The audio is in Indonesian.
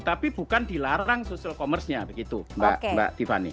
tapi bukan dilarang social commerce nya begitu mbak tiffany